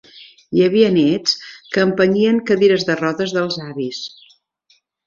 Hi havia néts que empenyien cadires de rodes dels avis.